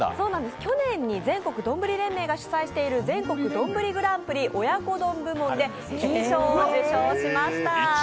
去年に全国丼連盟が主催している全国丼グランプリの親子丼部門で金賞を受賞しました。